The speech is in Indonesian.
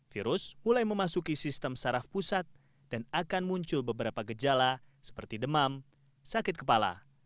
virus mulai memasuki sistem saraf pusat dan akan muncul beberapa gejala seperti demam sakit kepala